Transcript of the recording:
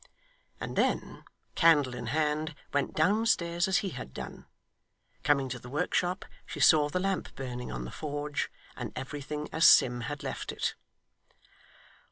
and then, candle in hand, went downstairs as he had done. Coming to the workshop, she saw the lamp burning on the forge, and everything as Sim had left it.